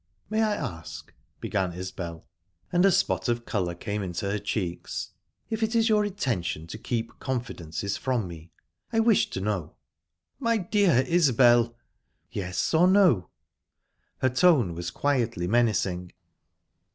"May I ask," began Isbel, and a spot of colour came into her cheeks, "if it is your intention to keep confidences from me? I wish to know." "My dear Isbel " "Yes or no?" Her tone was quietly menacing.